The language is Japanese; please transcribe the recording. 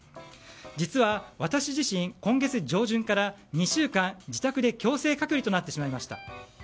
実は、私自身今月上旬から２週間自宅で強制隔離となってしまいました。